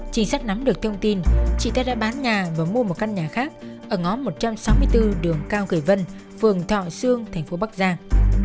chị sắp nắm được thông tin chị ta đã bán nhà và mua một căn nhà khác ở ngõ một trăm sáu mươi bốn đường cao gửi vân phường thọ sương thành phố bắc giang